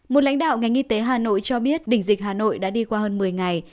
một lãnh đạo ngành y tế hà nội cho biết đỉnh dịch hà nội đã đi qua hơn một mươi ngày